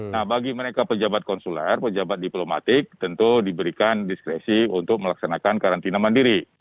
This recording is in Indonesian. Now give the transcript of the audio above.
nah bagi mereka pejabat konsuler pejabat diplomatik tentu diberikan diskresi untuk melaksanakan karantina mandiri